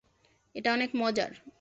এটা অনেক মজার।